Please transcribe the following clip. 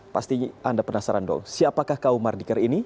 pastinya anda penasaran dong siapakah kaum mardiker ini